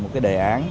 một cái đề án